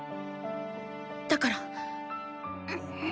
だから。